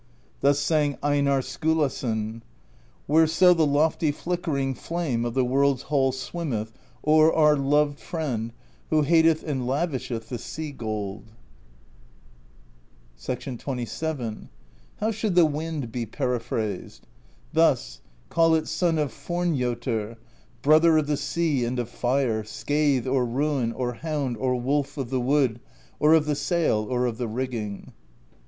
Thus sang Einarr Skulason : Whereso the lofty flickering Flame of the World's Hall swimmeth THE POESY OF SKALDS 141 O'er our loved friend, who hateth And lavisheth the sea gold. XXVII. "How should the wind be periphrased? Thus: call it Son of Fornjotr, Brother of the Sea and of Fire, Scathe or Ruin or Hound or Wolf of the Wood or of the Sail or of the Rigging.